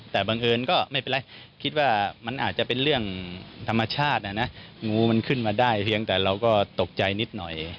แต่บังเอิญก็ไม่เป็นไรคิดว่ามันอาจจะเป็นเรื่องธรรมชาตินะงูมันขึ้นมาได้เพียงแต่เราก็ตกใจนิดหน่อย